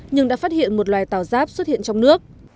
nhưng đã phát hiện một loài tàu giáp xuất hiện trong nước